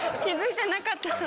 気付いてなかった。